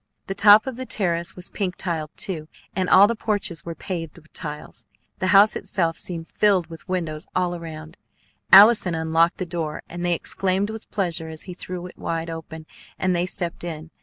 The top of the terrace was pink tiled, too, and all the porches were paved with tiles. The house itself seemed filled with windows all around. Allison unlocked the door, and they exclaimed with pleasure as he threw it wide open and they stepped in.